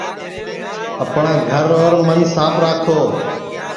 اپٹؔا گھر اور من ساپ راکھو